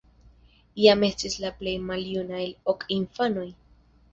Jan estis la plej maljuna el ok infanoj.